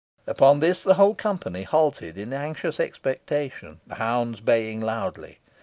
Upon this the whole company halted in anxious expectation, the hounds baying loudly.